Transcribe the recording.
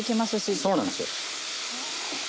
そうなんですよ。